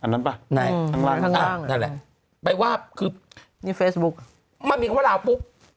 นี่ไงอันนั้นป่ะอันล่างนั่นแหละไปว่าคือมันมีคำว่าราวปุ๊บ